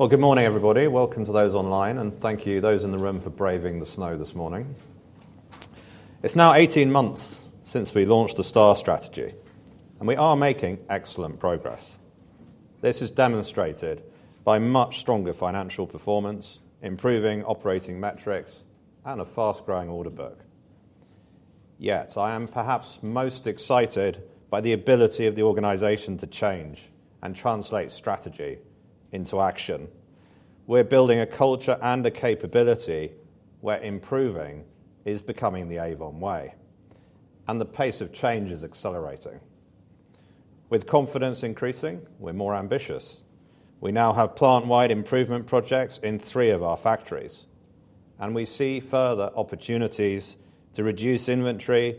Well, good morning, everybody. Welcome to those online, and thank you, those in the room, for braving the snow this morning. It's now 18 months since we launched the STAR Strategy, and we are making excellent progress. This is demonstrated by much stronger financial performance, improving operating metrics, and a fast-growing order book. Yet, I am perhaps most excited by the ability of the organization to change and translate strategy into action. We're building a culture and a capability where improving is becoming the Avon way, and the pace of change is accelerating. With confidence increasing, we're more ambitious. We now have plant-wide improvement projects in three of our factories, and we see further opportunities to reduce inventory,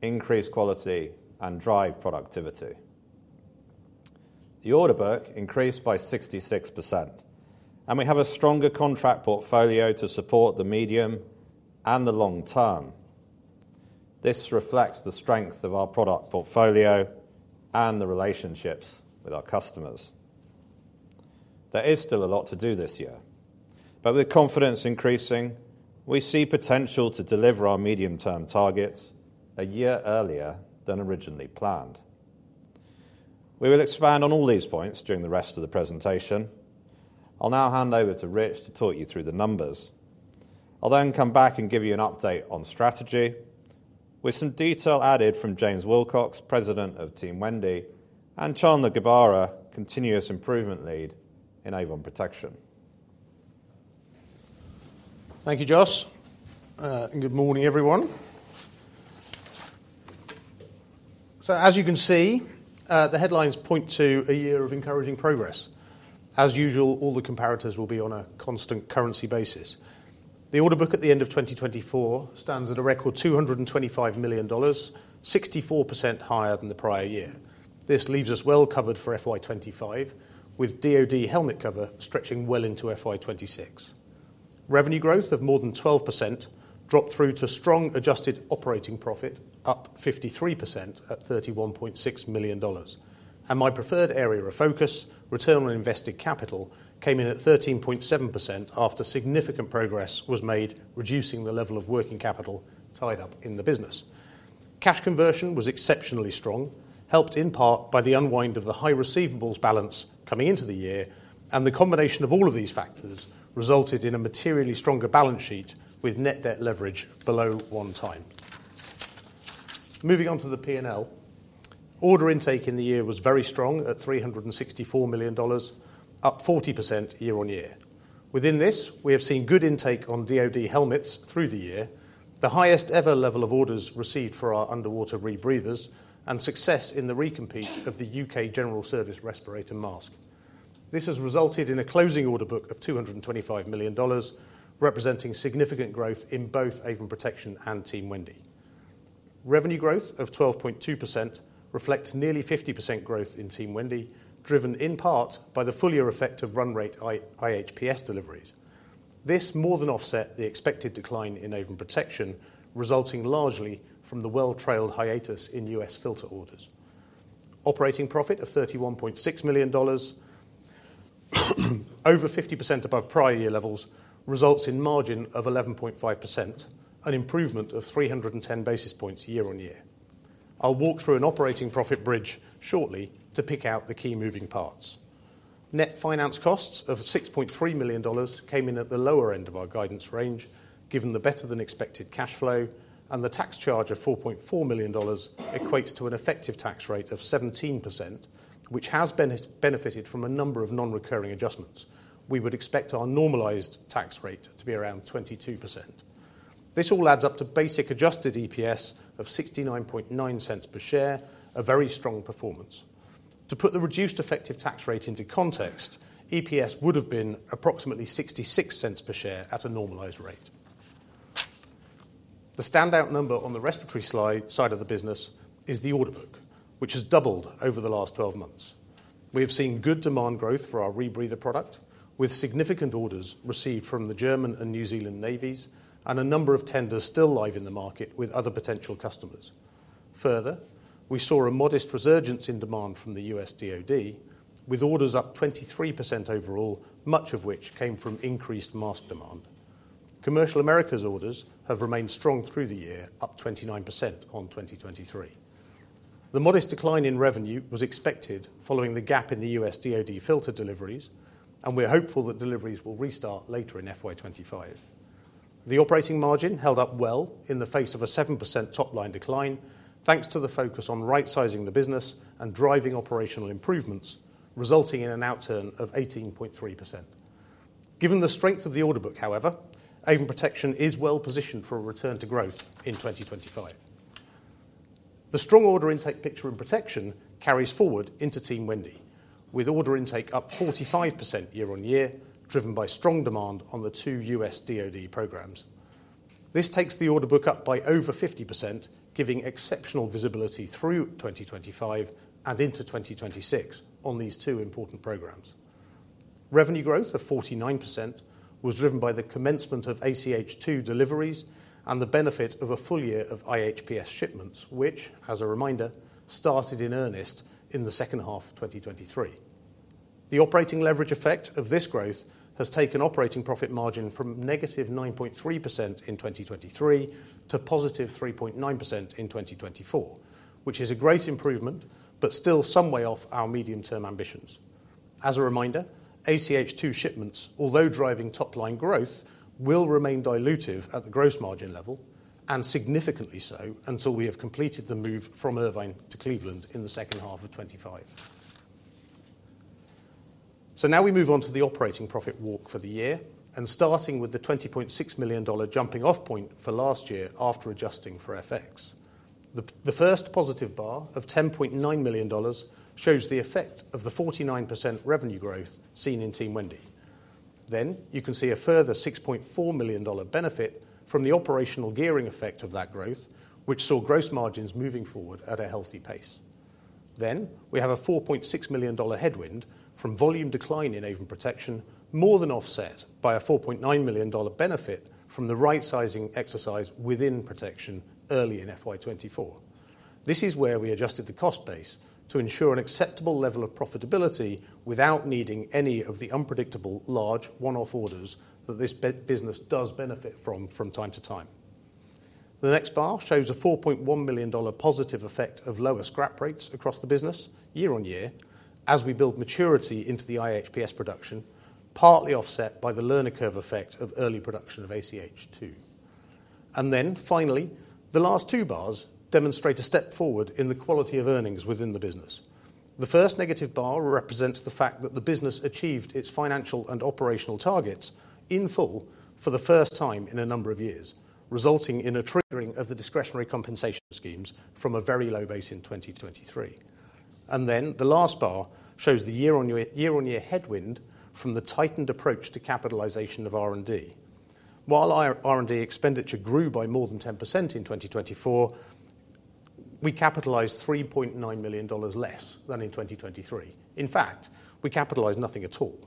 increase quality, and drive productivity. The order book increased by 66%, and we have a stronger contract portfolio to support the medium and the long term. This reflects the strength of our product portfolio and the relationships with our customers. There is still a lot to do this year, but with confidence increasing, we see potential to deliver our medium-term targets a year earlier than originally planned. We will expand on all these points during the rest of the presentation. I'll now hand over to Rich to talk you through the numbers. I'll then come back and give you an update on strategy, with some detail added from James Wilcox, President of Team Wendy, and Chandler Gabara, Continuous Improvement Lead in Avon Protection. Thank you, Jos, and good morning, everyone. So, as you can see, the headlines point to a year of encouraging progress. As usual, all the comparators will be on a constant currency basis. The order book at the end of 2024 stands at a record $225 million, 64% higher than the prior year. This leaves us well covered for FY25, with DOD helmet cover stretching well into FY26. Revenue growth of more than 12% dropped through to strong adjusted operating profit, up 53% at $31.6 million. And my preferred area of focus, return on invested capital, came in at 13.7% after significant progress was made, reducing the level of working capital tied up in the business. Cash conversion was exceptionally strong, helped in part by the unwind of the high receivables balance coming into the year, and the combination of all of these factors resulted in a materially stronger balance sheet with net debt leverage below one time. Moving on to the P&L, order intake in the year was very strong at $364 million, up 40% year-on-year. Within this, we have seen good intake on DOD helmets through the year, the highest ever level of orders received for our underwater rebreathers, and success in the recompete of the U.K. General Service Respirator mask. This has resulted in a closing order book of $225 million, representing significant growth in both Avon Protection and Team Wendy. Revenue growth of 12.2% reflects nearly 50% growth in Team Wendy, driven in part by the fuller effect of run rate IHPS deliveries. This more than offset the expected decline in Avon Protection, resulting largely from the well-trailed hiatus in US filter orders. Operating profit of $31.6 million, over 50% above prior year levels, results in margin of 11.5%, an improvement of 310 basis points year-on-year. I'll walk through an operating profit bridge shortly to pick out the key moving parts. Net finance costs of $6.3 million came in at the lower end of our guidance range, given the better-than-expected cash flow, and the tax charge of $4.4 million equates to an effective tax rate of 17%, which has benefited from a number of non-recurring adjustments. We would expect our normalized tax rate to be around 22%. This all adds up to basic adjusted EPS of $0.69 per share, a very strong performance. To put the reduced effective tax rate into context, EPS would have been approximately $0.66 per share at a normalized rate. The standout number on the respiratory side of the business is the order book, which has doubled over the last 12 months. We have seen good demand growth for our rebreather product, with significant orders received from the German Navy and New Zealand Navy, and a number of tenders still live in the market with other potential customers. Further, we saw a modest resurgence in demand from the U.S. DOD, with orders up 23% overall, much of which came from increased mask demand. Commercial Americas orders have remained strong through the year, up 29% on 2023. The modest decline in revenue was expected following the gap in the U.S. DOD filter deliveries, and we're hopeful that deliveries will restart later in FY25. The operating margin held up well in the face of a 7% top-line decline, thanks to the focus on right-sizing the business and driving operational improvements, resulting in an outturn of 18.3%. Given the strength of the order book, however, Avon Protection is well positioned for a return to growth in 2025. The strong order intake picture in Protection carries forward into Team Wendy, with order intake up 45% year-on-year, driven by strong demand on the two U.S. DOD programs. This takes the order book up by over 50%, giving exceptional visibility through 2025 and into 2026 on these two important programs. Revenue growth of 49% was driven by the commencement of ACH Gen II deliveries and the benefit of a full year of IHPS shipments, which, as a reminder, started in earnest in H2 of 2023. The operating leverage effect of this growth has taken operating profit margin from -9.3% in 2023 to +3.9% in 2024, which is a great improvement, but still some way off our medium-term ambitions. As a reminder, ACH Gen II shipments, although driving top-line growth, will remain dilutive at the gross margin level, and significantly so until we have completed the move from Irvine to Cleveland in H2 of 2025. So now we move on to the operating profit walk for the year, and starting with the $20.6 million jumping-off point for last year after adjusting for FX. The first positive bar of $10.9 million shows the effect of the 49% revenue growth seen in Team Wendy. Then you can see a further $6.4 million benefit from the operational gearing effect of that growth, which saw gross margins moving forward at a healthy pace. Then we have a $4.6 million headwind from volume decline in Avon Protection, more than offset by a $4.9 million benefit from the right-sizing exercise within Protection early in FY24. This is where we adjusted the cost base to ensure an acceptable level of profitability without needing any of the unpredictable large one-off orders that this business does benefit from time to time. The next bar shows a $4.1 million positive effect of lower scrap rates across the business year-on-year as we build maturity into the IHPS production, partly offset by the learning curve effect of early production of ACH Gen II Then finally, the last two bars demonstrate a step forward in the quality of earnings within the business. The first negative bar represents the fact that the business achieved its financial and operational targets in full for the first time in a number of years, resulting in a triggering of the discretionary compensation schemes from a very low base in 2023, and then the last bar shows the year-on-year headwind from the tightened approach to capitalization of R&D. While R&D expenditure grew by more than 10% in 2024, we capitalized $3.9 million less than in 2023. In fact, we capitalized nothing at all,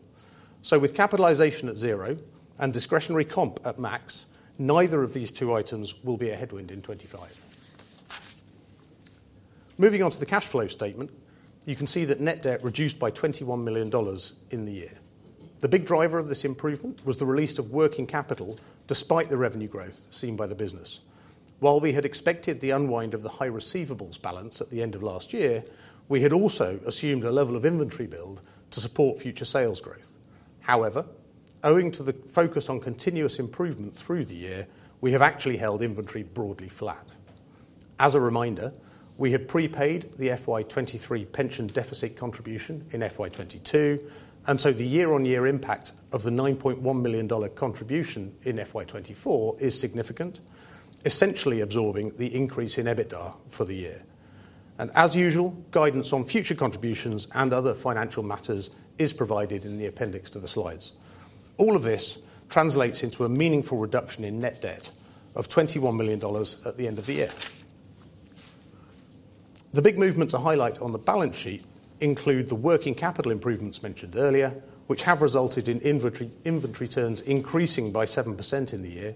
so with capitalization at zero and discretionary comp at max, neither of these two items will be a headwind in 2025. Moving on to the cash flow statement, you can see that net debt reduced by $21 million in the year. The big driver of this improvement was the release of working capital despite the revenue growth seen by the business. While we had expected the unwind of the high receivables balance at the end of last year, we had also assumed a level of inventory build to support future sales growth. However, owing to the focus on continuous improvement through the year, we have actually held inventory broadly flat. As a reminder, we had prepaid the FY23 pension deficit contribution in FY22, and so the year-on-year impact of the $9.1 million contribution in FY24 is significant, essentially absorbing the increase in EBITDA for the year. And as usual, guidance on future contributions and other financial matters is provided in the appendix to the slides. All of this translates into a meaningful reduction in net debt of $21 million at the end of the year. The big movements to highlight on the balance sheet include the working capital improvements mentioned earlier, which have resulted in inventory turns increasing by 7% in the year,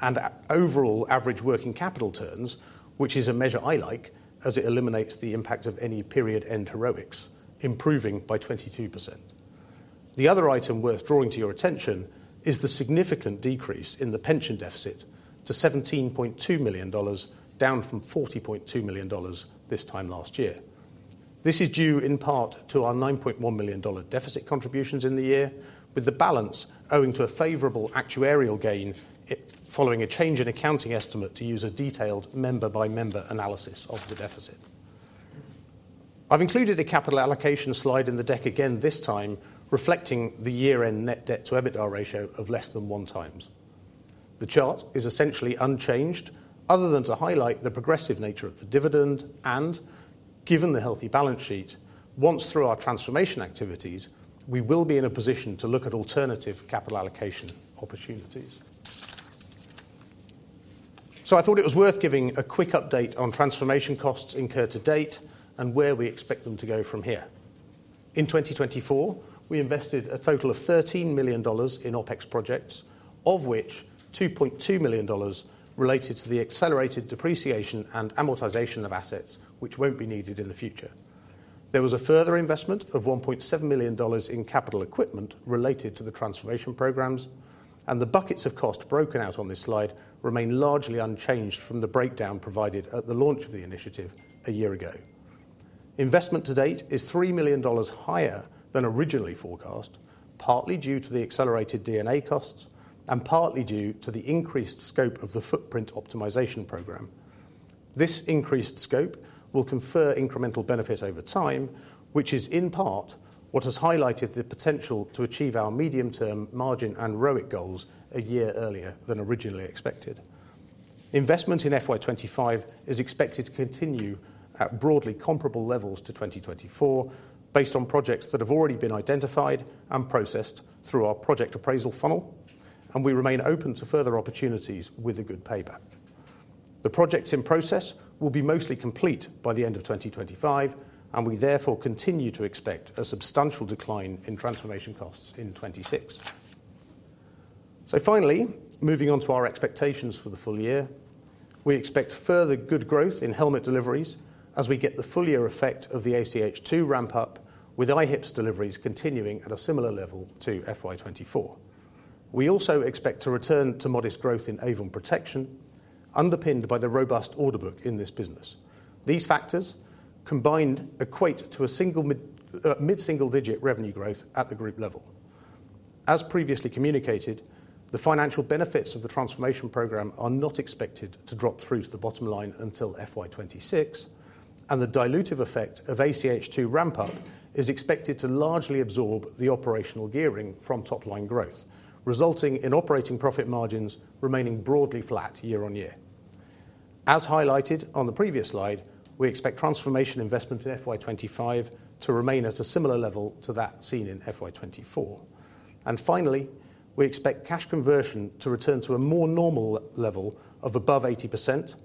and overall average working capital turns, which is a measure I like as it eliminates the impact of any period-end heroics, improving by 22%. The other item worth drawing to your attention is the significant decrease in the pension deficit to $17.2 million, down from $40.2 million this time last year. This is due, in part, to our $9.1 million deficit contributions in the year, with the balance owing to a favorable actuarial gain following a change in accounting estimate to use a detailed member-by-member analysis of the deficit. I've included a capital allocation slide in the deck again this time, reflecting the year-end net debt to EBITDA ratio of less than one times. The chart is essentially unchanged, other than to highlight the progressive nature of the dividend and, given the healthy balance sheet, once through our transformation activities, we will be in a position to look at alternative capital allocation opportunities. So I thought it was worth giving a quick update on transformation costs incurred to date and where we expect them to go from here. In 2024, we invested a total of $13 million in OpEx projects, of which $2.2 million related to the accelerated depreciation and amortization of assets, which won't be needed in the future. There was a further investment of $1.7 million in capital equipment related to the transformation programs, and the buckets of cost broken out on this slide remain largely unchanged from the breakdown provided at the launch of the initiative a year ago. Investment to date is $3 million higher than originally forecast, partly due to the accelerated D&A costs and partly due to the increased scope of the footprint optimization program. This increased scope will confer incremental benefit over time, which is in part what has highlighted the potential to achieve our medium-term margin and ROIC goals a year earlier than originally expected. Investment in FY25 is expected to continue at broadly comparable levels to 2024, based on projects that have already been identified and processed through our project appraisal funnel, and we remain open to further opportunities with a good payback. The projects in process will be mostly complete by the end of 2025, and we therefore continue to expect a substantial decline in transformation costs in 2026. So finally, moving on to our expectations for the full year, we expect further good growth in helmet deliveries as we get the full year effect of the ACH Gen II ramp-up, with IHPS deliveries continuing at a similar level to FY24. We also expect to return to modest growth in Avon Protection, underpinned by the robust order book in this business. These factors combined equate to a mid-single-digit revenue growth at the group level. As previously communicated, the financial benefits of the transformation program are not expected to drop through to the bottom line until FY26, and the dilutive effect of ACH Gen II ramp-up is expected to largely absorb the operational gearing from top-line growth, resulting in operating profit margins remaining broadly flat year-on-year. As highlighted on the previous slide, we expect transformation investment in FY25 to remain at a similar level to that seen in FY24. Finally, we expect cash conversion to return to a more normal level of above 80%,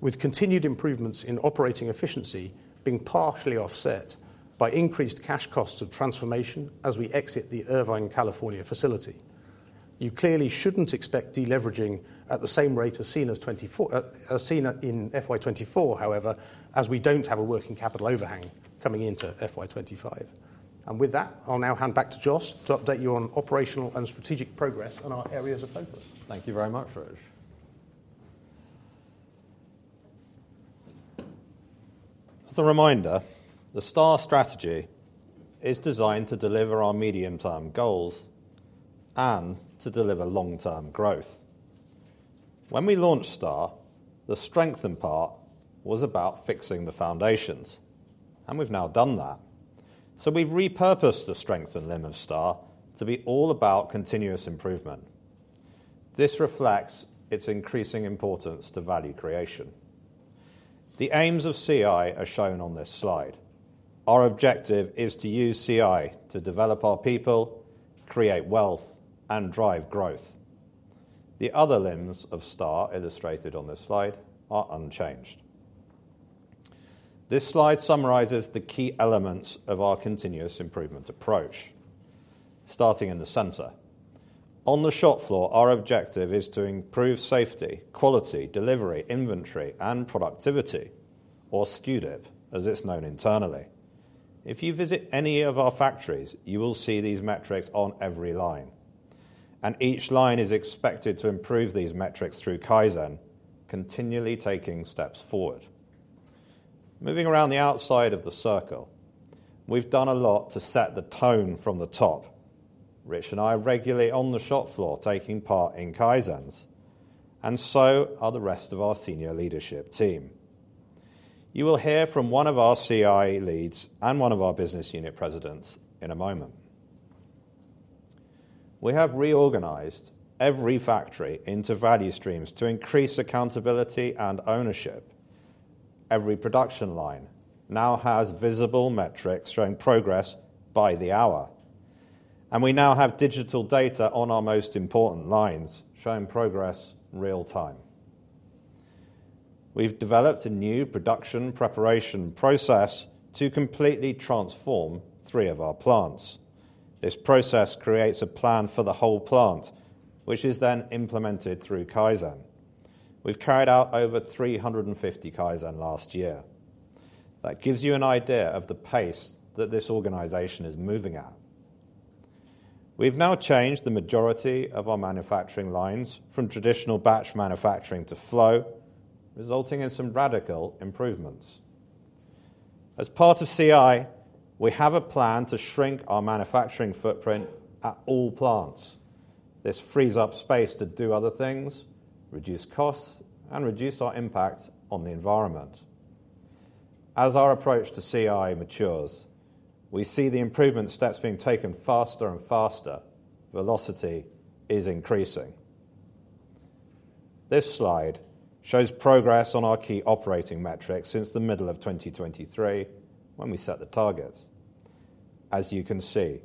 with continued improvements in operating efficiency being partially offset by increased cash costs of transformation as we exit the Irvine, CA facility. You clearly shouldn't expect deleveraging at the same rate as seen in FY24, however, as we don't have a working capital overhang coming into FY25. And with that, I'll now hand back to Jos to update you on operational and strategic progress on our areas of focus. Thank you very much, Rich. As a reminder, the STAR strategy is designed to deliver our medium-term goals and to deliver long-term growth. When we launched STAR, the strengthen part was about fixing the foundations, and we've now done that. So we've repurposed the strengthen limb of STAR to be all about continuous improvement. This reflects its increasing importance to value creation. The aims of CI are shown on this slide. Our objective is to use CI to develop our people, create wealth, and drive growth. The other limbs of STAR illustrated on this slide are unchanged. This slide summarizes the key elements of our continuous improvement approach, starting in the center. On the shop floor, our objective is to improve safety, quality, delivery, inventory, and productivity, or SQDIP, as it's known internally. If you visit any of our factories, you will see these metrics on every line, and each line is expected to improve these metrics through Kaizen, continually taking steps forward. Moving around the outside of the circle, we've done a lot to set the tone from the top. Rich and I are regularly on the shop floor taking part in Kaizens, and so are the rest of our senior leadership team. You will hear from one of our CI leads and one of our business unit presidents in a moment. We have reorganized every factory into value streams to increase accountability and ownership. Every production line now has visible metrics showing progress by the hour, and we now have digital data on our most important lines showing progress real-time. We've developed a new production preparation process to completely transform three of our plants. This process creates a plan for the whole plant, which is then implemented through Kaizen. We've carried out over 350 Kaizen last year. That gives you an idea of the pace that this organization is moving at. We've now changed the majority of our manufacturing lines from traditional batch manufacturing to flow, resulting in some radical improvements. As part of CI, we have a plan to shrink our manufacturing footprint at all plants. This frees up space to do other things, reduce costs, and reduce our impact on the environment. As our approach to CI matures, we see the improvement steps being taken faster and faster. Velocity is increasing. This slide shows progress on our key operating metrics since the middle of 2023 when we set the targets. As you can see,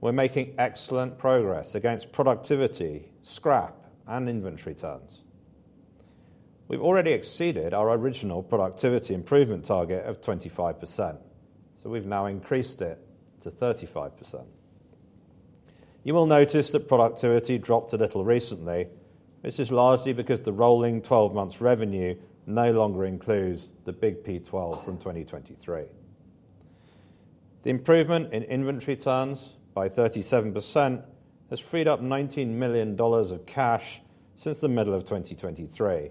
we're making excellent progress against productivity, scrap, and inventory turns. We've already exceeded our original productivity improvement target of 25%, so we've now increased it to 35%. You will notice that productivity dropped a little recently. This is largely because the rolling 12-month revenue no longer includes the big P12 from 2023. The improvement in inventory turns by 37% has freed up $19 million of cash since the middle of 2023.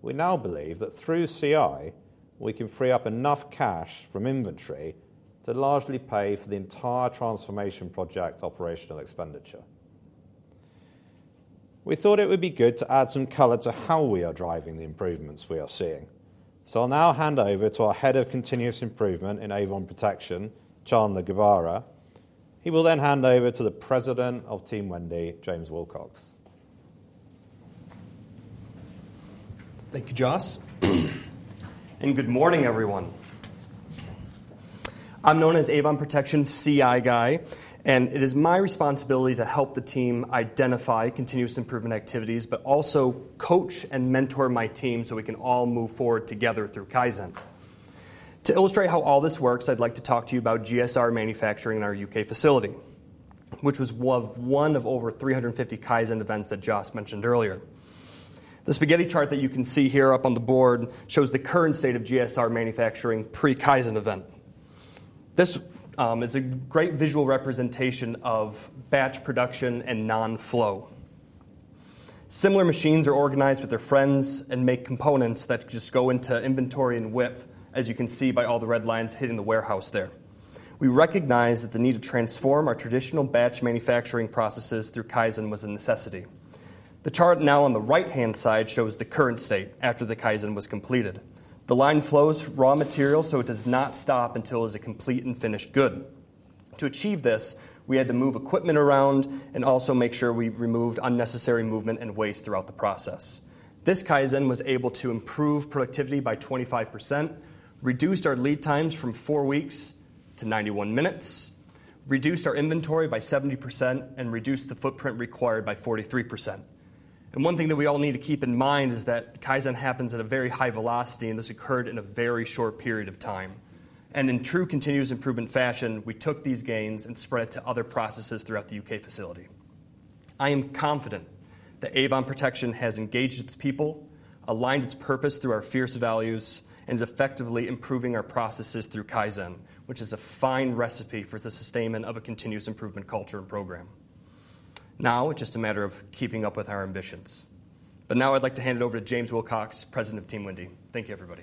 We now believe that through CI, we can free up enough cash from inventory to largely pay for the entire transformation project operational expenditure. We thought it would be good to add some color to how we are driving the improvements we are seeing. So I'll now hand over to our head of continuous improvement in Avon Protection, Chandler Gabara. He will then hand over to the President of Team Wendy, James Wilcox. Thank you, Jos. And good morning, everyone. I'm known as Avon Protection's CI guy, and it is my responsibility to help the team identify continuous improvement activities, but also coach and mentor my team so we can all move forward together through Kaizen. To illustrate how all this works, I'd like to talk to you about GSR manufacturing in our U.K. facility, which was one of over 350 Kaizen events that Jos mentioned earlier. The spaghetti chart that you can see here up on the board shows the current state of GSR manufacturing pre-Kaizen event. This is a great visual representation of batch production and non-flow. Similar machines are organized with their friends and make components that just go into inventory and zip, as you can see by all the red lines hitting the warehouse there. We recognize that the need to transform our traditional batch manufacturing processes through Kaizen was a necessity. The chart now on the right-hand side shows the current state after the Kaizen was completed. The line flows raw material, so it does not stop until it is a complete and finished good. To achieve this, we had to move equipment around and also make sure we removed unnecessary movement and waste throughout the process. This Kaizen was able to improve productivity by 25%, reduced our lead times from four weeks to 91 minutes, reduced our inventory by 70%, and reduced the footprint required by 43%. And one thing that we all need to keep in mind is that Kaizen happens at a very high velocity, and this occurred in a very short period of time. And in true continuous improvement fashion, we took these gains and spread it to other processes throughout the UK facility. I am confident that Avon Protection has engaged its people, aligned its purpose through our fierce values, and is effectively improving our processes through Kaizen, which is a fine recipe for the sustainment of a continuous improvement culture and program. Now, it's just a matter of keeping up with our ambitions. But now I'd like to hand it over to James Wilcox, President of Team Wendy. Thank you, everybody.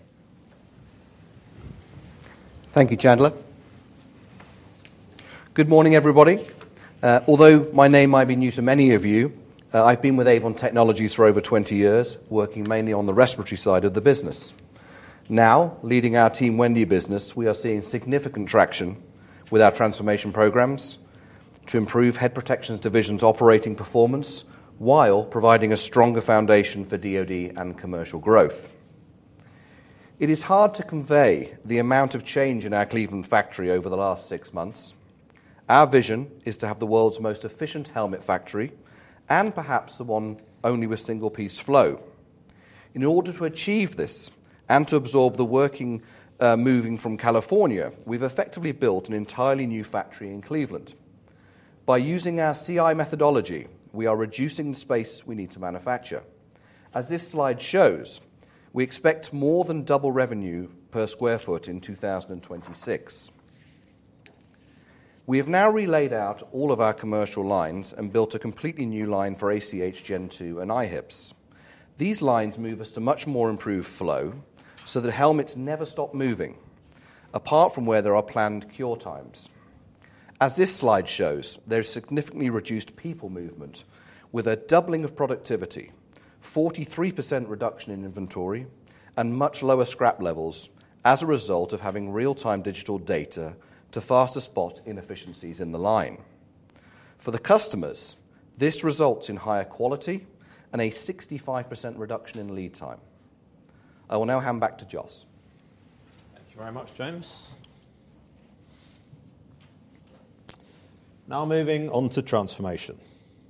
Thank you, Chandler. Good morning, everybody. Although my name might be new to many of you, I've been with Avon Technologies for over 20 years, working mainly on the respiratory side of the business. Now, leading our Team Wendy business, we are seeing significant traction with our transformation programs to improve head protection division's operating performance while providing a stronger foundation for DOD and commercial growth. It is hard to convey the amount of change in our Cleveland factory over the last six months. Our vision is to have the world's most efficient helmet factory and perhaps the only one with single-piece flow. In order to achieve this and to absorb the work moving from California, we've effectively built an entirely new factory in Cleveland. By using our CI methodology, we are reducing the space we need to manufacture. As this slide shows, we expect more than double revenue per sq ft in 2026. We have now relaid out all of our commercial lines and built a completely new line for ACH Gen2 and IHPS. These lines move us to much more improved flow so that helmets never stop moving, apart from where there are planned cure times. As this slide shows, there is significantly reduced people movement with a doubling of productivity, 43% reduction in inventory, and much lower scrap levels as a result of having real-time digital data to fast-spot inefficiencies in the line. For the customers, this results in higher quality and a 65% reduction in lead time. I will now hand back to Jos. Thank you very much, James. Now moving on to transformation.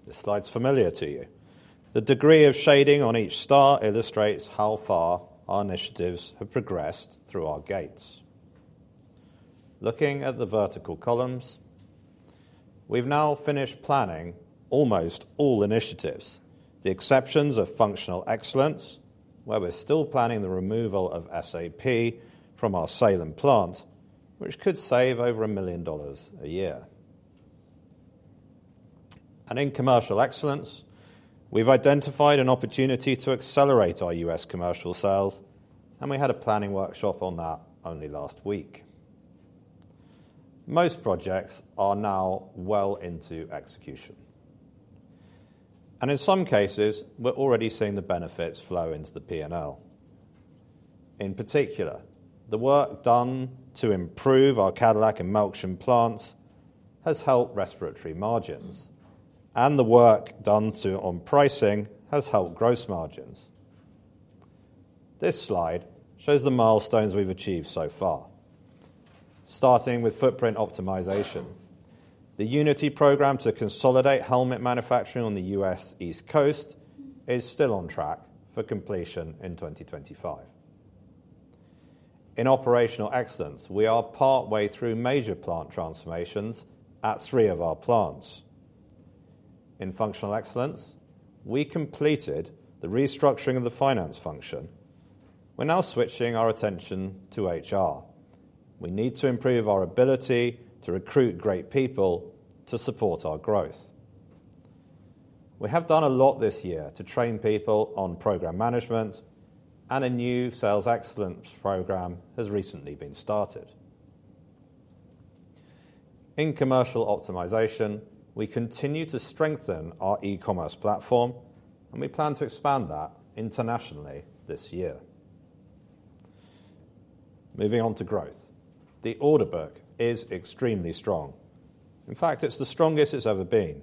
This slide's familiar to you. The degree of shading on each star illustrates how far our initiatives have progressed through our gates. Looking at the vertical columns, we've now finished planning almost all initiatives, the exceptions of functional excellence, where we're still planning the removal of SAP from our Salem plant, which could save over $1 million a year. In commercial excellence, we've identified an opportunity to accelerate our US commercial sales, and we had a planning workshop on that only last week. Most projects are now well into execution. In some cases, we're already seeing the benefits flow into the P&L. In particular, the work done to improve our Cadillac and Melksham plants has helped respiratory margins, and the work done on pricing has helped gross margins. This slide shows the milestones we've achieved so far, starting with footprint optimization. The Unity program to consolidate helmet manufacturing on the U.S. East Coast is still on track for completion in 2025. In operational excellence, we are partway through major plant transformations at three of our plants. In functional excellence, we completed the restructuring of the finance function. We're now switching our attention to HR. We need to improve our ability to recruit great people to support our growth. We have done a lot this year to train people on program management, and a new sales excellence program has recently been started. In commercial optimization, we continue to strengthen our e-commerce platform, and we plan to expand that internationally this year. Moving on to growth, the order book is extremely strong. In fact, it's the strongest it's ever been.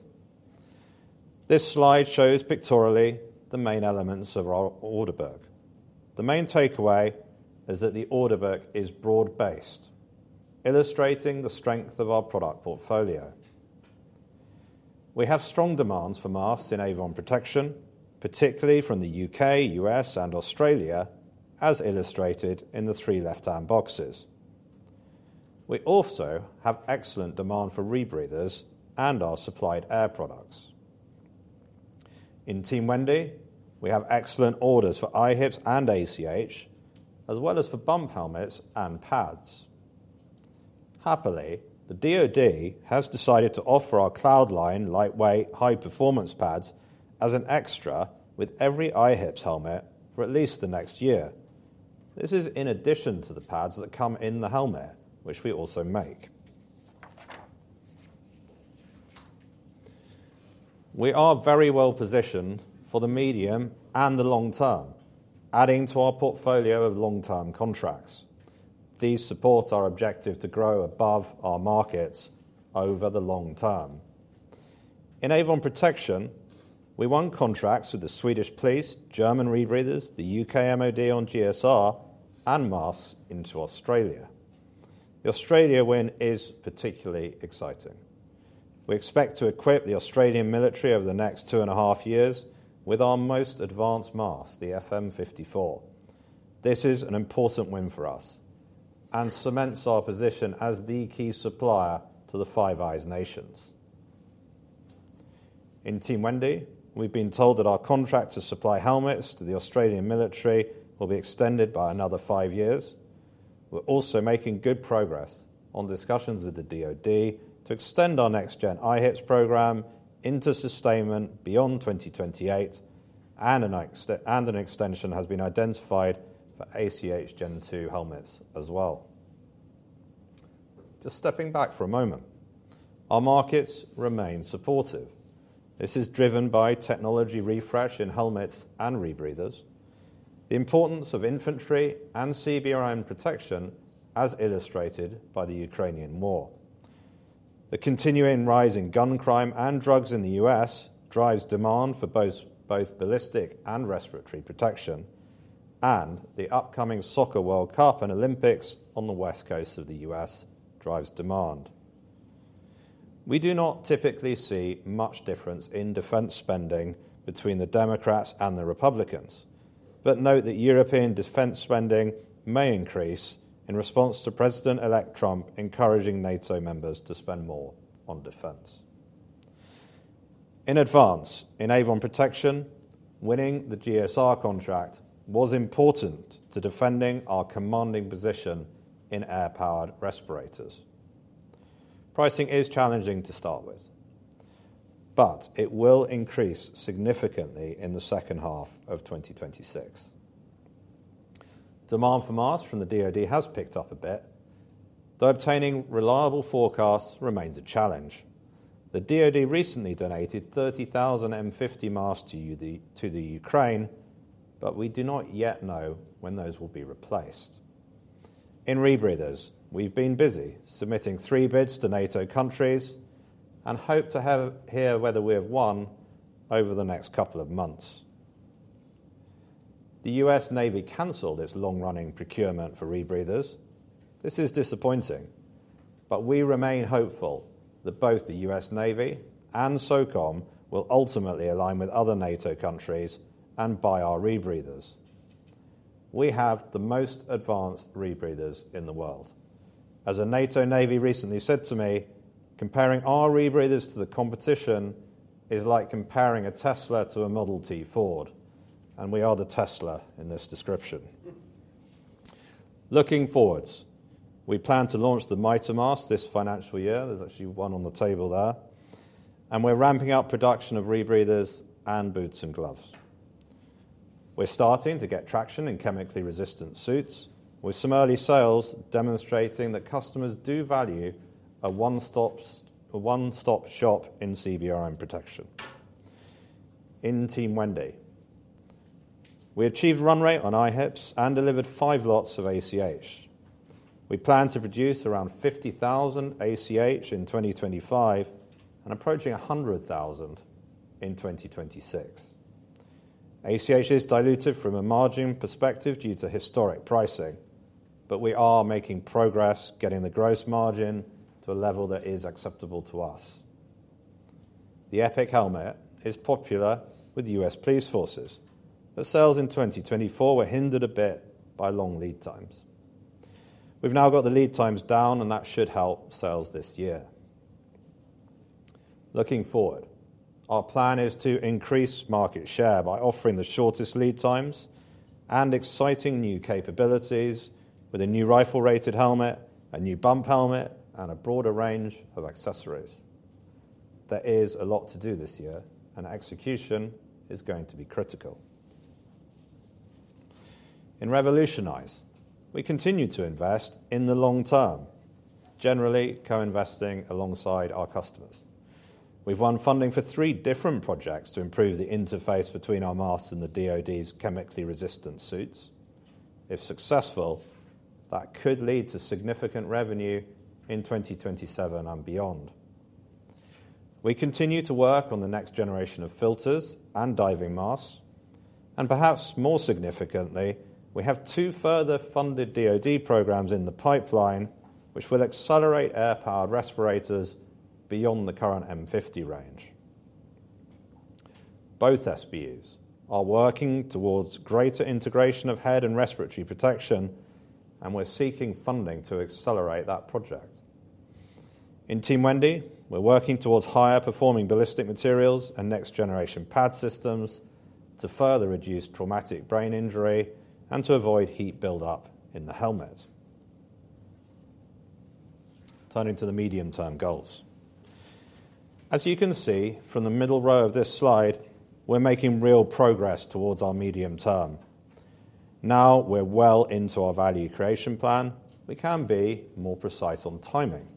This slide shows pictorially the main elements of our order book. The main takeaway is that the order book is broad-based, illustrating the strength of our product portfolio. We have strong demands for masks in Avon Protection, particularly from the U.K., U.S., and Australia, as illustrated in the three left-hand boxes. We also have excellent demand for rebreathers and our supplied air products. In Team Wendy, we have excellent orders for IHPS and ACH, as well as for bump helmets and pads. Happily, the DOD has decided to offer our Cloudline lightweight high-performance pads as an extra with everyIHPS helmet for at least the next year. This is in addition to the pads that come in the helmet, which we also make. We are very well positioned for the medium and the long term, adding to our portfolio of long-term contracts. These support our objective to grow above our markets over the long term. In Avon Protection, we won contracts with the Swedish police, German rebreathers, the U.K. MoD on GSR, and masks into Australia. The Australia win is particularly exciting. We expect to equip the Australian military over the next two and a half years with our most advanced mask, the FM54. This is an important win for us and cements our position as the key supplier to the Five Eyes nations. In Team Wendy, we've been told that our contract to supply helmets to the Australian military will be extended by another five years. We're also making good progress on discussions with the DOD to extend our next-gen IHPS program into sustainment beyond 2028, and an extension has been identified for ACH Gen2 helmets as well. Just stepping back for a moment, our markets remain supportive. This is driven by technology refresh in helmets and rebreathers, the importance of infantry and CBRN protection, as illustrated by the Ukrainian war. The continuing rise in gun crime and drugs in the U.S. drives demand for both ballistic and respiratory protection, and the upcoming Soccer World Cup and Olympics on the West Coast of the U.S. drives demand. We do not typically see much difference in defense spending between the Democrats and the Republicans, but note that European defense spending may increase in response to President-elect Trump encouraging NATO members to spend more on defense. In advance, in Avon Protection, winning the GSR contract was important to defending our commanding position in air-powered respirators. Pricing is challenging to start with, but it will increase significantly in H2 of 2026. Demand for masks from the DOD has picked up a bit, though obtaining reliable forecasts remains a challenge. The DOD recently donated 30,000 M50 masks to the Ukraine, but we do not yet know when those will be replaced. In rebreathers, we've been busy submitting three bids to NATO countries and hope to hear whether we have won over the next couple of months. The US Navy canceled its long-running procurement for rebreathers. This is disappointing, but we remain hopeful that both the US Navy and SOCOM will ultimately align with other NATO countries and buy our rebreathers. We have the most advanced rebreathers in the world. As a NATO Navy recently said to me, Comparing our rebreathers to the competition is like comparing a Tesla to a Model T Ford, and we are the Tesla in this description. Looking forwards, we plan to launch the mid-tier mask this financial year. There's actually one on the table there. We're ramping up production of rebreathers and boots and gloves. We're starting to get traction in chemically resistant suits, with some early sales demonstrating that customers do value a one-stop shop in CBRN protection. In Team Wendy, we achieved run rate on IHPS and delivered five lots of ACH. We plan to produce around 50,000 ACH in 2025 and approaching 100,000 in 2026. ACH is diluted from a margin perspective due to historic pricing, but we are making progress, getting the gross margin to a level that is acceptable to us. The EPIC helmet is popular with US police forces, but sales in 2024 were hindered a bit by long lead times. We've now got the lead times down, and that should help sales this year. Looking forward, our plan is to increase market share by offering the shortest lead times and exciting new capabilities with a new rifle-rated helmet, a new bump helmet, and a broader range of accessories. There is a lot to do this year, and execution is going to be critical. In Revolutionize, we continue to invest in the long term, generally co-investing alongside our customers. We've won funding for three different projects to improve the interface between our masks and the DOD's chemically resistant suits. If successful, that could lead to significant revenue in 2027 and beyond. We continue to work on the next generation of filters and diving masks, and perhaps more significantly, we have two further funded DOD programs in the pipeline, which will accelerate air-powered respirators beyond the current M50 range. Both SBUs are working towards greater integration of head and respiratory protection, and we're seeking funding to accelerate that project. In Team Wendy, we're working towards higher-performing ballistic materials and next-generation pad systems to further reduce traumatic brain injury and to avoid heat buildup in the helmet. Turning to the medium-term goals. As you can see from the middle row of this slide, we're making real progress towards our medium term. Now we're well into our value creation plan. We can be more precise on timing.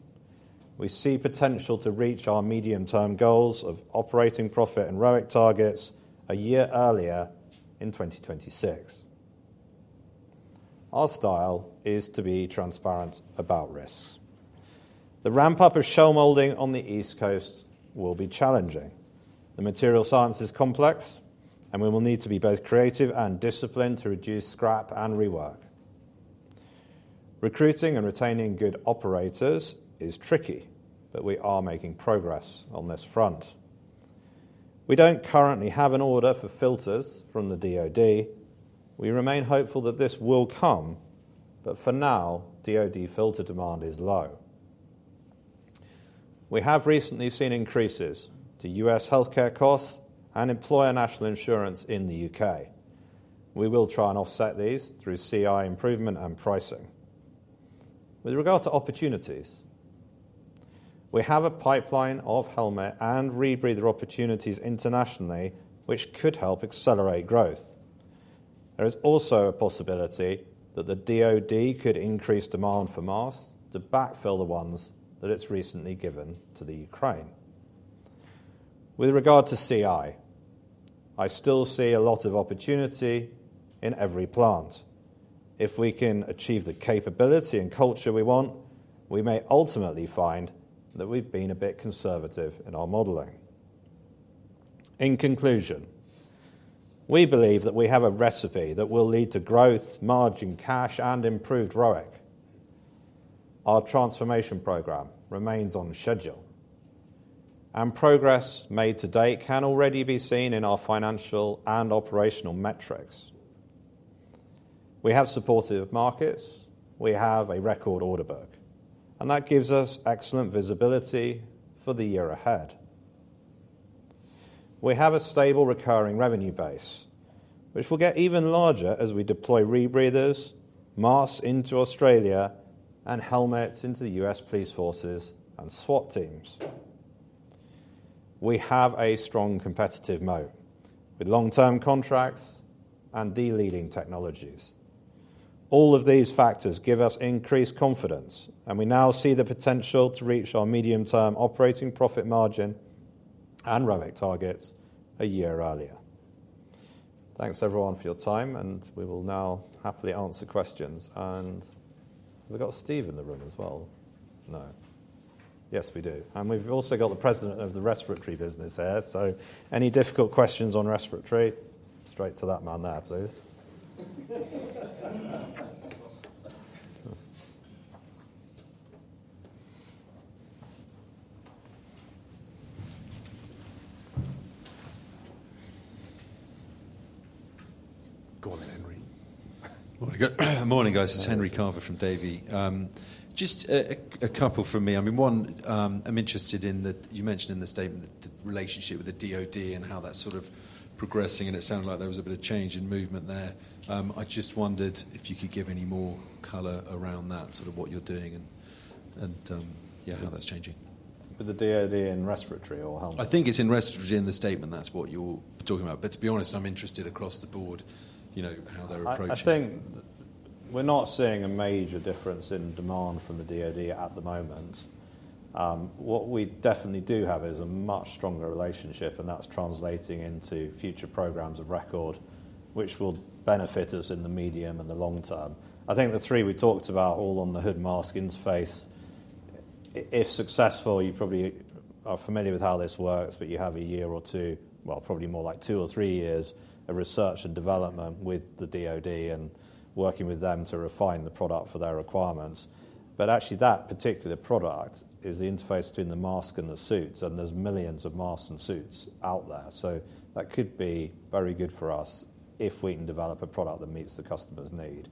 We see potential to reach our medium-term goals of operating profit and ROIC targets a year earlier in 2026. Our style is to be transparent about risks. The ramp-up of shell molding on the East Coast will be challenging. The material science is complex, and we will need to be both creative and disciplined to reduce scrap and rework. Recruiting and retaining good operators is tricky, but we are making progress on this front. We don't currently have an order for filters from the DOD. We remain hopeful that this will come, but for now, DOD filter demand is low. We have recently seen increases to U.S. healthcare costs and employer National Insurance in the U.K. We will try and offset these through CI improvement and pricing. With regard to opportunities, we have a pipeline of helmet and rebreather opportunities internationally, which could help accelerate growth. There is also a possibility that the DOD could increase demand for masks to backfill the ones that it's recently given to the Ukraine. With regard to CI, I still see a lot of opportunity in every plant. If we can achieve the capability and culture we want, we may ultimately find that we've been a bit conservative in our modeling. In conclusion, we believe that we have a recipe that will lead to growth, margin cash, and improved ROIC. Our transformation program remains on schedule, and progress made to date can already be seen in our financial and operational metrics. We have supportive markets. We have a record order book, and that gives us excellent visibility for the year ahead. We have a stable recurring revenue base, which will get even larger as we deploy rebreathers, masks into Australia, and helmets into the U.S. police forces and SWAT teams. We have a strong competitive moat with long-term contracts and de-leading technologies. All of these factors give us increased confidence, and we now see the potential to reach our medium-term operating profit margin and ROIC targets a year earlier. Thanks, everyone, for your time, and we will now happily answer questions. Have we got Steve in the room as well? No. Yes, we do. And we've also got the president of the respiratory business here. So any difficult questions on respiratory? Straight to that man there, please. Good morning, Henry. Morning, guys. It's Henry Carver from Davy. Just a couple from me. I mean, one, I'm interested in that you mentioned in the statement the relationship with the DOD and how that's sort of progressing, and it sounded like there was a bit of change in movement there. I just wondered if you could give any more color around that, sort of what you're doing and how that's changing. With the DOD in respiratory or health? I think it's in respiratory in the statement. That's what you're talking about. But to be honest, I'm interested across the board how they're approaching. I think we're not seeing a major difference in demand from the DOD at the moment. What we definitely do have is a much stronger relationship, and that's translating into future programs of record, which will benefit us in the medium and the long term. I think the three we talked about, all on the hood mask interface, if successful, you probably are familiar with how this works, but you have a year or two, well, probably more like two or three years of research and development with the DOD and working with them to refine the product for their requirements. But actually, that particular product is the interface between the mask and the suits, and there's millions of masks and suits out there. So that could be very good for us if we can develop a product that meets the customer's need.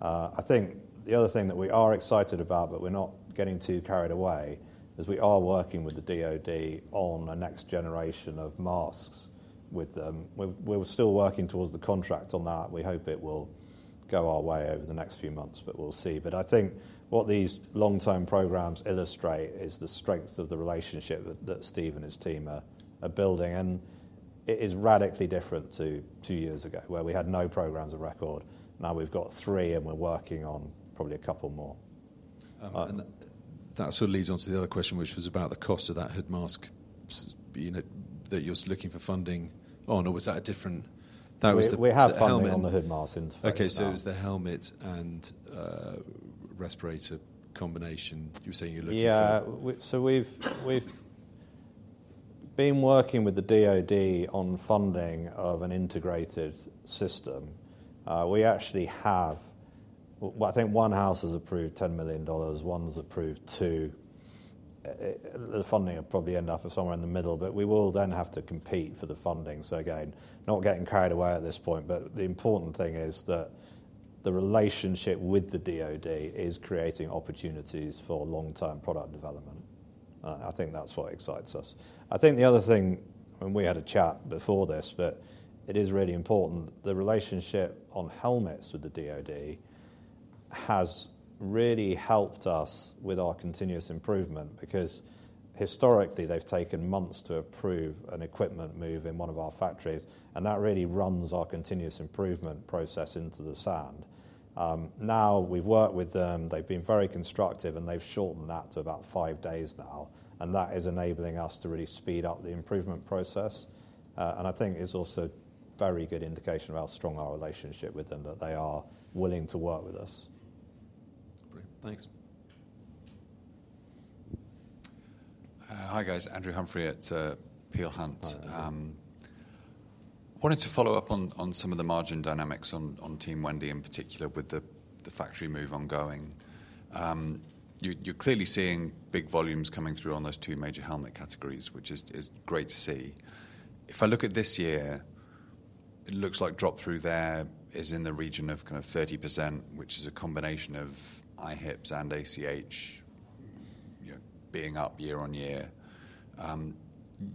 I think the other thing that we are excited about, but we're not getting too carried away, is we are working with the DOD on a next generation of masks with them. We're still working towards the contract on that. We hope it will go our way over the next few months, but we'll see. But I think what these long-term programs illustrate is the strength of the relationship that Steve and his team are building. And it is radically different to two years ago, where we had no programs of record. Now we've got three, and we're working on probably a couple more. That sort of leads on to the other question, which was about the cost of that hood mask that you're looking for funding on, or was that a different? That was the helmet and the hood mask interface. Okay, so it was the helmet and respirator combination you were saying you're looking for. Yeah, so we've been working with the DOD on funding of an integrated system. We actually have, I think one house has approved $10 million. One's approved $2 million. The funding will probably end up somewhere in the middle, but we will then have to compete for the funding. So again, not getting carried away at this point, but the important thing is that the relationship with the DOD is creating opportunities for long-term product development. I think that's what excites us. I think the other thing, and we had a chat before this, but it is really important that the relationship on helmets with the DOD has really helped us with our continuous improvement because historically, they've taken months to approve an equipment move in one of our factories, and that really runs our continuous improvement process into the sand. Now we've worked with them. They've been very constructive, and they've shortened that to about five days now, and that is enabling us to really speed up the improvement process. And I think it's also a very good indication of how strong our relationship with them that they are willing to work with us. Great. Thanks. Hi, guys. Andrew Humphrey at Peel Hunt. Wanted to follow up on some of the margin dynamics on Team Wendy in particular with the factory move ongoing. You're clearly seeing big volumes coming through on those two major helmet categories, which is great to see. If I look at this year, it looks like drop-through there is in the region of kind of 30%, which is a combination of IHPS and ACH being up year-on-year.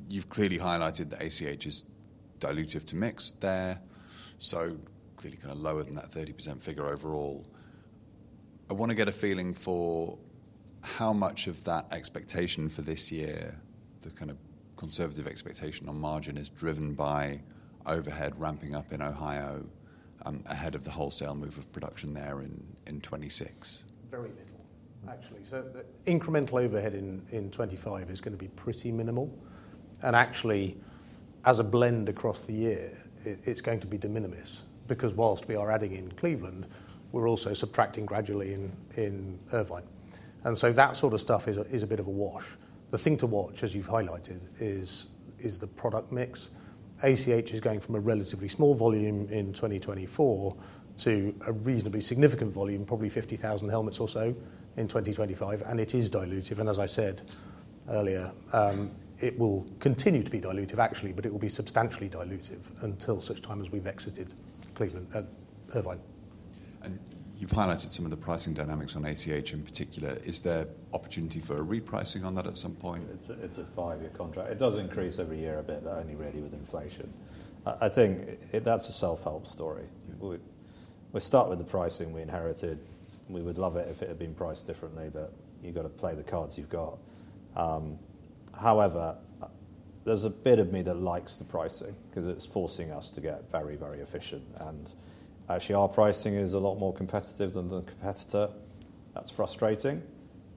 You've clearly highlighted that ACH is dilutive to mix there, so clearly kind of lower than that 30% figure overall. I want to get a feeling for how much of that expectation for this year, the kind of conservative expectation on margin is driven by overhead ramping up in Ohio ahead of the wholesale move of production there in 2026. Very little, actually. So the incremental overhead in 2025 is going to be pretty minimal. Actually, as a blend across the year, it's going to be de minimis because while we are adding in Cleveland, we're also subtracting gradually in Irvine. So that sort of stuff is a bit of a wash. The thing to watch, as you've highlighted, is the product mix. ACH is going from a relatively small volume in 2024 to a reasonably significant volume, probably 50,000 helmets or so in 2025, and it is dilutive. As I said earlier, it will continue to be dilutive, actually, but it will be substantially dilutive until such time as we've exited Cleveland at Irvine. You've highlighted some of the pricing dynamics on ACH in particular. Is there opportunity for a repricing on that at some point? It's a five-year contract. It does increase every year a bit, but only really with inflation. I think that's a self-help story. We'll start with the pricing we inherited. We would love it if it had been priced differently, but you've got to play the cards you've got. However, there's a bit of me that likes the pricing because it's forcing us to get very, very efficient. And actually, our pricing is a lot more competitive than the competitor. That's frustrating.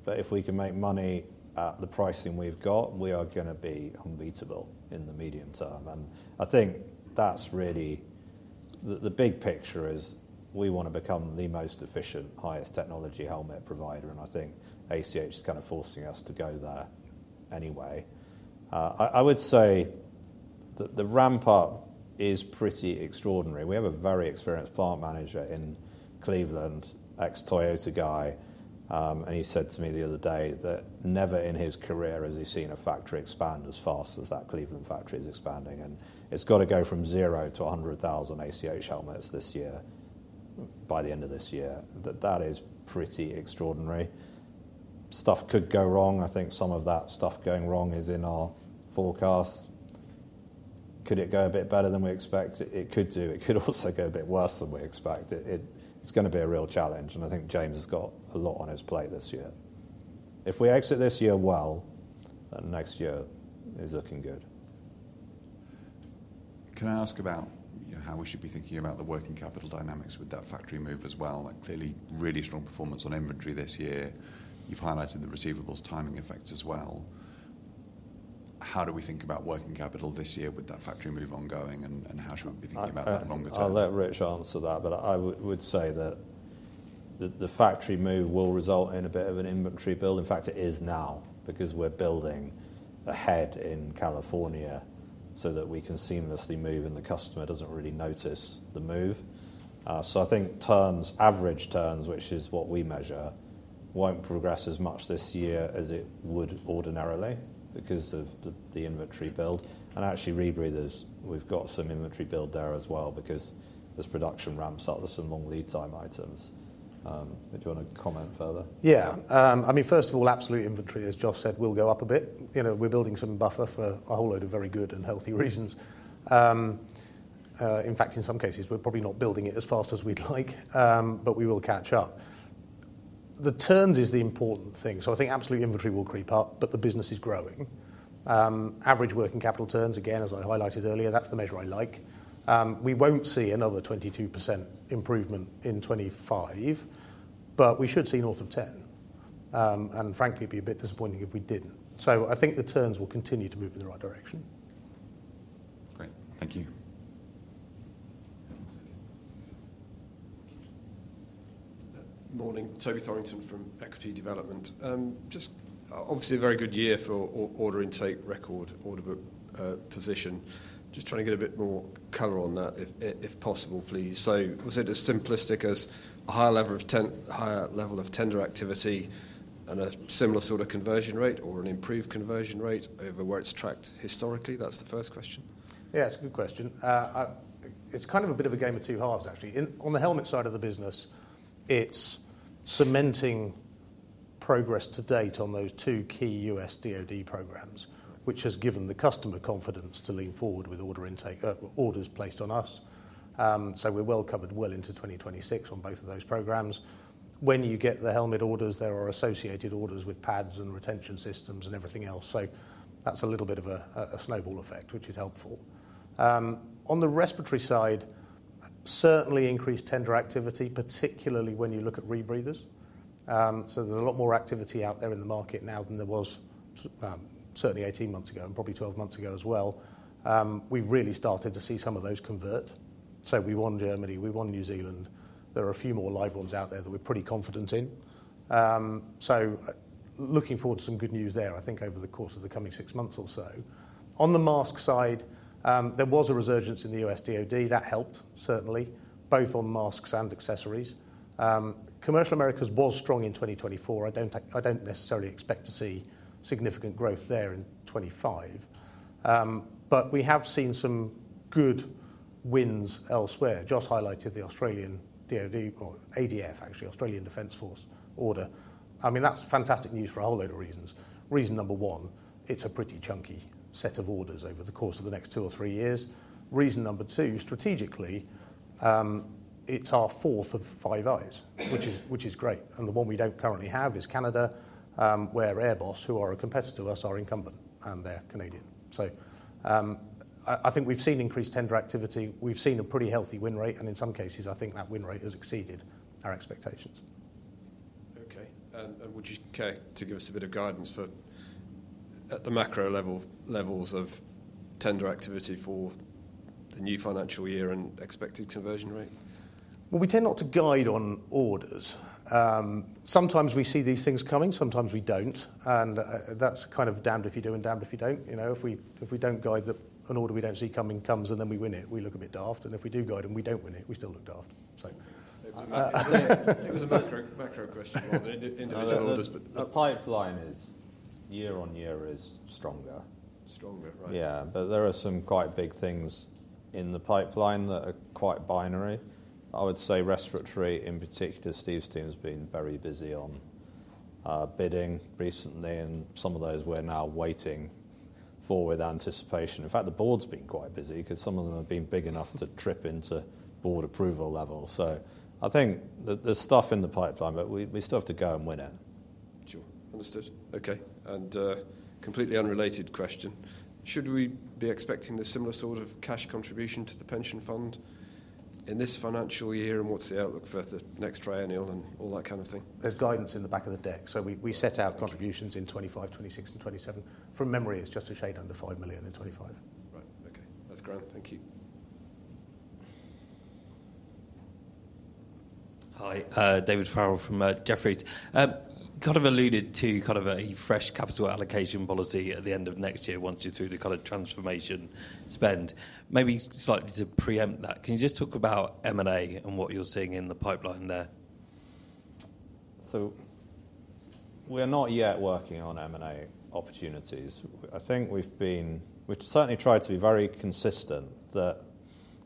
But if we can make money at the pricing we've got, we are going to be unbeatable in the medium term. And I think that's really the big picture is we want to become the most efficient, highest technology helmet provider, and I think ACH is kind of forcing us to go there anyway. I would say that the ramp-up is pretty extraordinary. We have a very experienced plant manager in Cleveland, ex-Toyota guy, and he said to me the other day that never in his career has he seen a factory expand as fast as that Cleveland factory is expanding, and it's got to go from 0 to 100,000 ACH helmets this year, by the end of this year. That is pretty extraordinary. Stuff could go wrong. I think some of that stuff going wrong is in our forecast. Could it go a bit better than we expect? It could do. It could also go a bit worse than we expect. It's going to be a real challenge, and I think James has got a lot on his plate this year. If we exit this year well, then next year is looking good. Can I ask about how we should be thinking about the working capital dynamics with that factory move as well? Clearly, really strong performance on inventory this year. You've highlighted the receivables timing effects as well. How do we think about working capital this year with that factory move ongoing, and how should we be thinking about that longer term? I'll let Rich answer that, but I would say that the factory move will result in a bit of an inventory build. In fact, it is now because we're building ahead in California so that we can seamlessly move and the customer doesn't really notice the move. So I think turns, average turns, which is what we measure, won't progress as much this year as it would ordinarily because of the inventory build. Actually, rebreathers, we've got some inventory build there as well because as production ramps up, there's some long lead time items. Did you want to comment further? Yeah. I mean, first of all, absolute inventory, as Josh said, will go up a bit. We're building some buffer for a whole load of very good and healthy reasons. In fact, in some cases, we're probably not building it as fast as we'd like, but we will catch up. The turns is the important thing. So I think absolute inventory will creep up, but the business is growing. Average working capital turns, again, as I highlighted earlier, that's the measure I like. We won't see another 22% improvement in 2025, but we should see north of 10%. And frankly, it'd be a bit disappointing if we didn't. So I think the turns will continue to move in the right direction. Great. Thank you. Morning, Toby Thorrington from Equity Development. Just obviously a very good year for order intake, record order book position. Just trying to get a bit more color on that, if possible, please. So was it as simplistic as a higher level of tender activity and a similar sort of conversion rate or an improved conversion rate over where it's tracked historically? That's the first question. Yeah, it's a good question. It's kind of a bit of a game of two halves, actually. On the helmet side of the business, it's cementing progress to date on those two key US DOD programs, which has given the customer confidence to lean forward with orders placed on us. So we're well covered, well into 2026 on both of those programs. When you get the helmet orders, there are associated orders with pads and retention systems and everything else. So that's a little bit of a snowball effect, which is helpful. On the respiratory side, certainly increased tender activity, particularly when you look at rebreathers. So there's a lot more activity out there in the market now than there was certainly 18 months ago and probably 12 months ago as well. We've really started to see some of those convert. So we won Germany. We won New Zealand. There are a few more live ones out there that we're pretty confident in. So looking forward to some good news there, I think, over the course of the coming six months or so. On the mask side, there was a resurgence in the U.S. DOD. That helped, certainly, both on masks and accessories. Commercial Americas was strong in 2024. I don't necessarily expect to see significant growth there in 2025, but we have seen some good wins elsewhere. Josh highlighted the Australian ADF, actually, Australian Defense Force order. I mean, that's fantastic news for a whole load of reasons. Reason number one, it's a pretty chunky set of orders over the course of the next two or three years. Reason number two, strategically, it's our fourth of the Five Eyes, which is great. The one we don't currently have is Canada, where Airbus, who are a competitor to us, are incumbent, and they're Canadian. So I think we've seen increased tender activity. We've seen a pretty healthy win rate, and in some cases, I think that win rate has exceeded our expectations. Okay. Would you care to give us a bit of guidance at the macro levels of tender activity for the new financial year and expected conversion rate? We tend not to guide on orders. Sometimes we see these things coming. Sometimes we don't. And that's kind of damned if you do and damned if you don't. If we don't guide, that an order we don't see coming comes and then we win it, we look a bit daft. And if we do guide and we don't win it, we still look daft. It was a macro question on individual orders, but a pipeline is year on year stronger. Stronger, right? Yeah. But there are some quite big things in the pipeline that are quite binary. I would say respiratory, in particular, Steve Steen has been very busy on bidding recently, and some of those we're now waiting for with anticipation. In fact, the board's been quite busy because some of them have been big enough to trip into board approval level. So I think there's stuff in the pipeline, but we still have to go and win it. Sure. Understood. Okay. And completely unrelated question. Should we be expecting a similar sort of cash contribution to the pension fund in this financial year? And what's the outlook for the next triennial and all that kind of thing? There's guidance in the back of the deck. So we set out contributions in 2025, 2026, and 2027. From memory, it's just a shade under 5 million in 2025. Right. Okay. That's grand. Thank you. Hi. David Farrell from Jefferies. Kind of alluded to kind of a fresh capital allocation policy at the end of next year once you're through the kind of transformation spend. Maybe slightly to preempt that, can you just talk about M&A and what you're seeing in the pipeline there? So we're not yet working on M&A opportunities. I think we've certainly tried to be very consistent that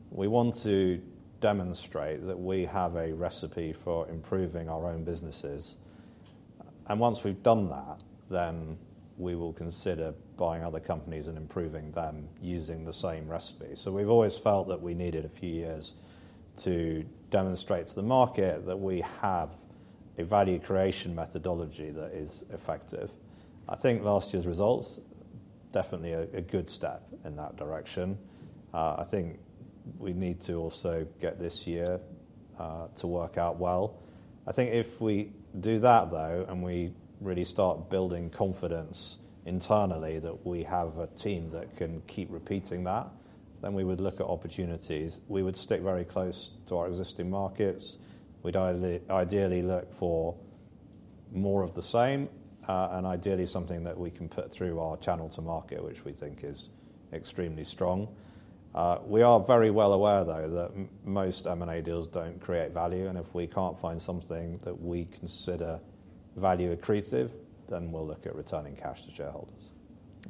we want to demonstrate that we have a recipe for improving our own businesses, and once we've done that, then we will consider buying other companies and improving them using the same recipe, so we've always felt that we needed a few years to demonstrate to the market that we have a value creation methodology that is effective. I think last year's results are definitely a good step in that direction. I think we need to also get this year to work out well. I think if we do that, though, and we really start building confidence internally that we have a team that can keep repeating that, then we would look at opportunities. We would stick very close to our existing markets. We'd ideally look for more of the same and ideally something that we can put through our channel to market, which we think is extremely strong. We are very well aware, though, that most M&A deals don't create value. And if we can't find something that we consider value accretive, then we'll look at returning cash to shareholders.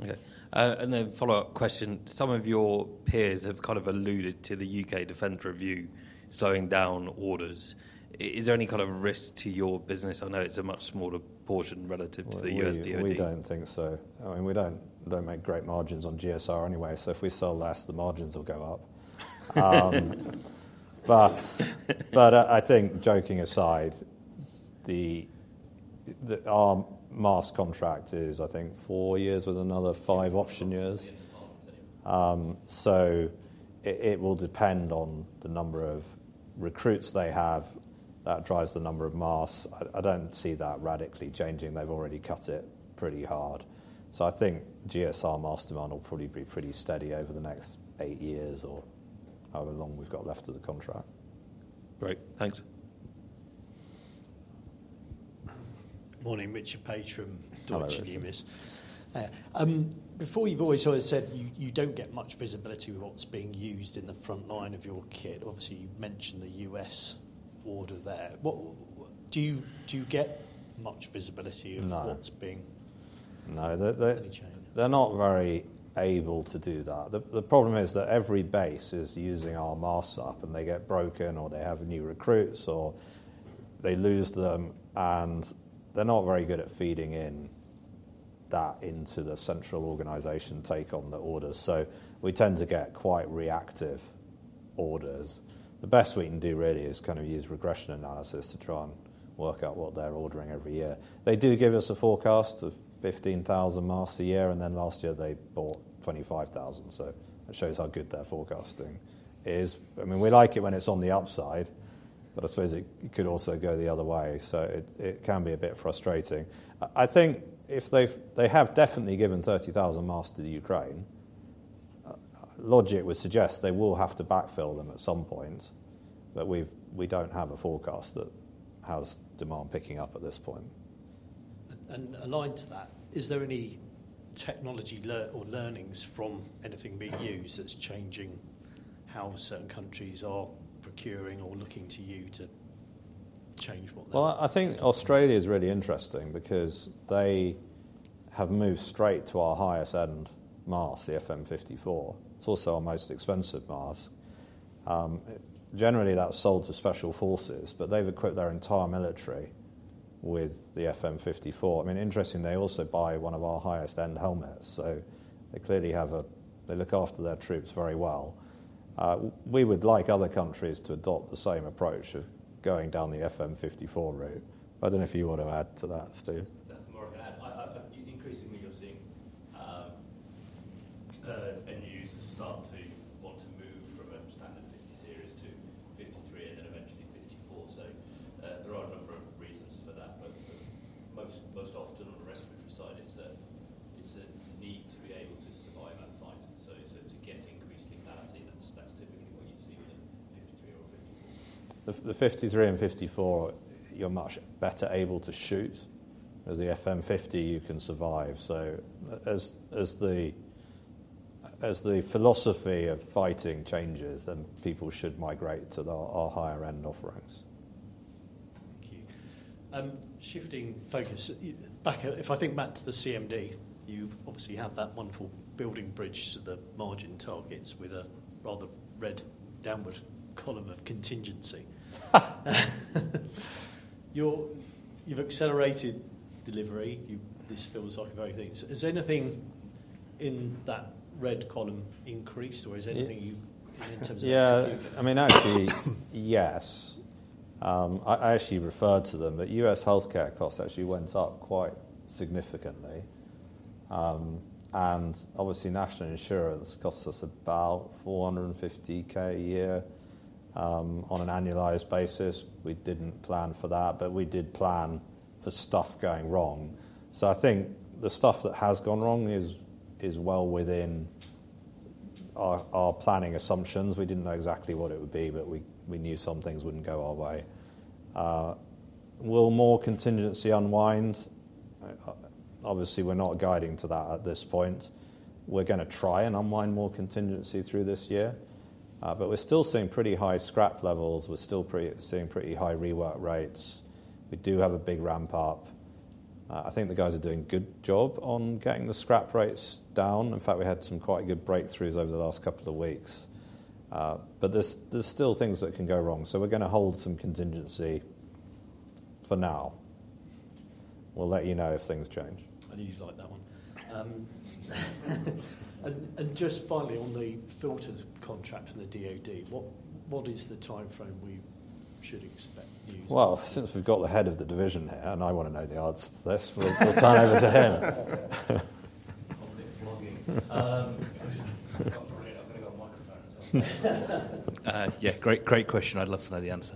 Okay. And then follow-up question. Some of your peers have kind of alluded to the U.K. Defence Review slowing down orders. Is there any kind of risk to your business? I know it's a much smaller portion relative to the U.S. DOD. We don't think so. I mean, we don't make great margins on GSR anyway. So if we sell less, the margins will go up. But I think, joking aside, our mask contract is, I think, four years with another five option years. So it will depend on the number of recruits they have that drives the number of masks. I don't see that radically changing. They've already cut it pretty hard. So I think GSR mask demand will probably be pretty steady over the next eight years or however long we've got left of the contract. Great. Thanks. Morning. Richard Paige from Numis. Hello. Before, you've always sort of said you don't get much visibility with what's being used in the front line of your kit. Obviously, you mentioned the U.S. order there. Do you get much visibility of what's being changed? No. They're not very able to do that. The problem is that every base is using our mask up, and they get broken or they have new recruits or they lose them, and they're not very good at feeding in that into the central organization take on the orders. So we tend to get quite reactive orders. The best we can do really is kind of use regression analysis to try and work out what they're ordering every year. They do give us a forecast of 15,000 masks a year, and then last year they bought 25,000. So that shows how good their forecasting is. I mean, we like it when it's on the upside, but I suppose it could also go the other way. So it can be a bit frustrating. I think if they have definitely given 30,000 masks to the Ukraine, logic would suggest they will have to backfill them at some point, but we don't have a forecast that has demand picking up at this point. And aligned to that, is there any technology or learnings from anything being used that's changing how certain countries are procuring or looking to you to change what they're? I think Australia is really interesting because they have moved straight to our highest-end mask, the FM54. It's also our most expensive mask. Generally, that's sold to special forces, but they've equipped their entire military with the FM54. I mean, interestingly, they also buy one of our highest-end helmets. So they clearly have, they look after their troops very well. We would like other countries to adopt the same approach of going down the FM54 route. But I don't know if you want to add to that, Steve. That's more of an increasingly you're seeing end users start to want to move from a standard 50 series to 53 and then eventually 54. So there are a number of reasons for that. But most often on the respiratory side, it's a need to be able to survive that fight. So, to get increased lethality, that's typically what you'd see with an FM53 or an FM54. The FM53 and FM54, you're much better able to shoot. As the FM50, you can survive. So as the philosophy of fighting changes, then people should migrate to our higher-end offerings. Thank you. Shifting focus back, if I think back to the CMD, you obviously have that wonderful building bridge to the margin targets with a rather red downward column of contingency. You've accelerated delivery. This feels like a. Has anything in that red column increased or is anything in terms of executing? Yeah. I mean, actually, yes. I actually referred to them, but U.S. healthcare costs actually went up quite significantly. And obviously, National Insurance costs us about 450,000 a year on an annualized basis. We didn't plan for that, but we did plan for stuff going wrong. I think the stuff that has gone wrong is well within our planning assumptions. We didn't know exactly what it would be, but we knew some things wouldn't go our way. Will more contingency unwind? Obviously, we're not guiding to that at this point. We're going to try and unwind more contingency through this year. But we're still seeing pretty high scrap levels. We're still seeing pretty high rework rates. We do have a big ramp up. I think the guys are doing a good job on getting the scrap rates down. In fact, we had some quite good breakthroughs over the last couple of weeks. But there's still things that can go wrong. So we're going to hold some contingency for now. We'll let you know if things change. I knew you'd like that one. Just finally, on the filters contract for the DOD, what is the timeframe we should expect? Since we've got the head of the division here, and I want to know the answer to this, we'll turn over to him. Steve. I'm going to go on microphone as well. Yeah. Great question. I'd love to know the answer.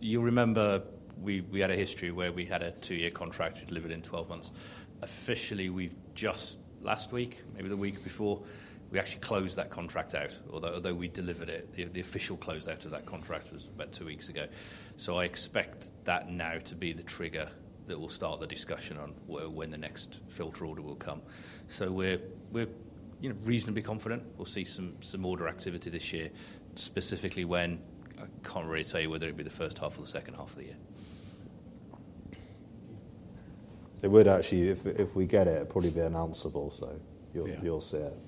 You'll remember we had a history where we had a two-year contract delivered in 12 months. Officially, we've just last week, maybe the week before, we actually closed that contract out, although we delivered it. The official closeout of that contract was about two weeks ago. I expect that now to be the trigger that will start the discussion on when the next filter order will come. We're reasonably confident. We'll see some order activity this year. Specifically when, I can't really tell you whether it'd be H1 or H2 of the year. It would actually, if we get it, it'll probably be announced also. You'll see it.